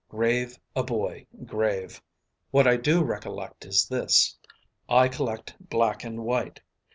Grave a boy grave. What I do recollect is this. I collect black and white.